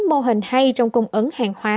mô hình hay trong cung ứng hàng hóa